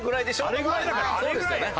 あれぐらいだからあれぐらいよ。